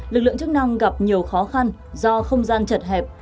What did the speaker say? lực lượng chức năng gặp nhiều khó khăn do không gian chật hẹp